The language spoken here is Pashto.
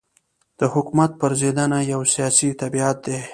د حکومت پرځېدنه یو سیاسي طبیعت دی.